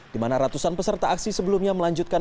di mana ratusan peserta aksi sebelumnya melanjutkan